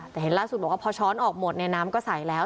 แต่เห็นล่าสุดบอกว่าพอช้อนออกหมดเนี่ยน้ำก็ใส่แล้ว